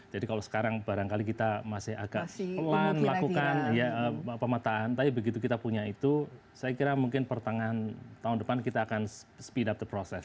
jadi kalau sekarang barangkali kita masih agak pelan lakukan pemetaan tapi begitu kita punya itu saya kira mungkin pertengahan tahun depan kita akan speed up the process